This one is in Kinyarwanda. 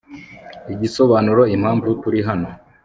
igisobanuro impamvu turi hano